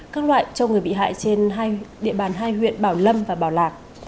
các loại cho người bị hại trên địa bàn hai huyện bảo lâm và bảo lạc